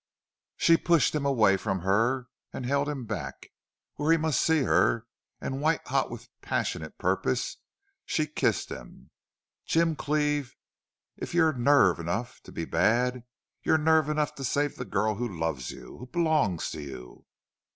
She pushed him away from her, and held him back where he must see her, and white hot with passionate purpose, she kissed him. "Jim Cleve, if you've NERVE enough to be BAD you've nerve enough to save the girl who LOVES you who BELONGS to you!"